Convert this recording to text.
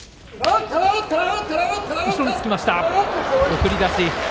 送り出し。